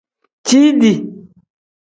Ciidi.